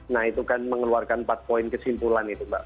nah itu kan mengeluarkan empat poin kesimpulan itu mbak